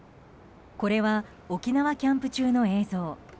これは沖縄キャンプ中の映像。